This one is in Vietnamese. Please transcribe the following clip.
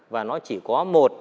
và nó chỉ có một